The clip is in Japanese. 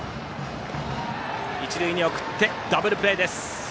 一塁に送ってダブルプレーです。